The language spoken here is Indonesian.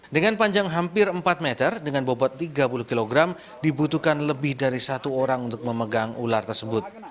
dengan panjang hampir empat meter dengan bobot tiga puluh kg dibutuhkan lebih dari satu orang untuk memegang ular tersebut